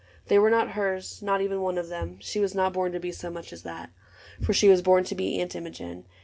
They were not hers, not even one of them : She was not born to be so much as that, For she was born to be Aunt Imogen.